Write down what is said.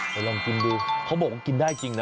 ลองกินดูเขาบอกว่ากินได้จริงนะ